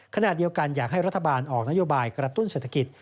ขณะเดียวกันอยากให้รัฐบาลออกนโยบายกระตุ้นเศรษฐกิจ